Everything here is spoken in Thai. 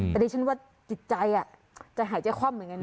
แต่ดิฉันว่าจิตใจจะหายใจคว่ำเหมือนกันนะ